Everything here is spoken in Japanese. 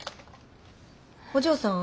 お嬢さん。